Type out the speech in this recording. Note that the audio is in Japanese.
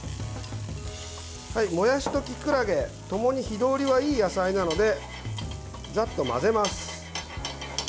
もやしときくらげ共に火通りはいい野菜なのでざっと混ぜます。